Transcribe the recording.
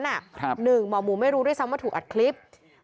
หนึ่งหมอหมูไม่รู้ด้วยซ้ำว่าถูกอัดคลิป